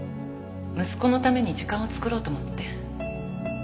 息子のために時間を作ろうと思って。